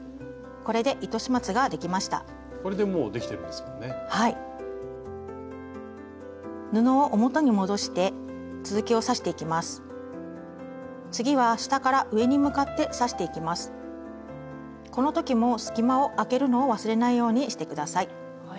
この時も隙間をあけるのを忘れないようにして下さい。